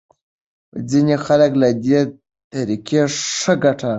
ځینې خلک له دې طریقې ښه ګټه اخلي.